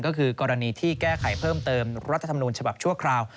ก็คือกรณีที่แก้ไขเพิ่มเติมรัฐธรรมนูญฉบับชั่วคราว